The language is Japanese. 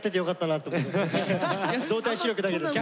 動体視力だけで。